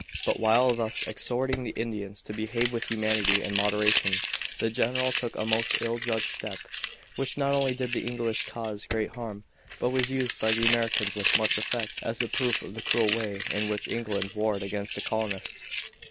But while thus exhorting the Indians to behave with humanity and moderation, the general took a most ill judged step, which not only did the English cause great harm, but was used by the Americans with much effect as a proof of the cruel way in which England warred against the colonists.